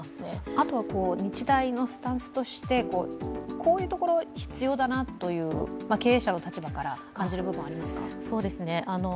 あとは日大のスタンスとして、こういうところが必要だなという経営者の立場から感じる部分はありますか？